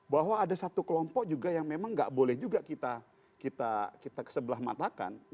bahwa ada satu kelompok juga yang memang nggak boleh juga kita sebelah matakan